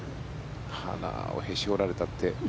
鼻をへし折られたって。